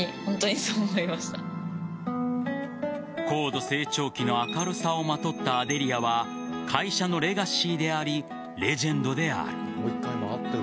高度成長期の明るさをまとったアデリアは会社のレガシーでありレジェンドである。